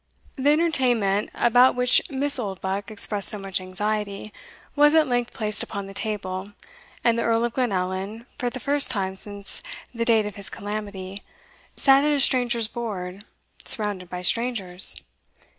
The entertainment, about which Miss Oldbuck expressed so much anxiety, was at length placed upon the table; and the Earl of Glenallan, for the first time since the date of his calamity, sat at a stranger's board, surrounded by strangers.